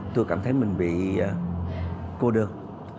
tôi cảm thấy mình bị cô đơn